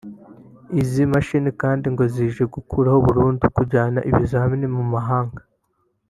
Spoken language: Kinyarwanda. Izi mashini kandi ngo zije gukuraho burundu kujyana ibizamini mu mahanga